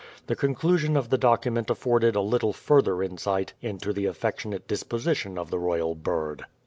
The conclusion of the document afforded a little further insight into the affectionate disposition of the royal bird.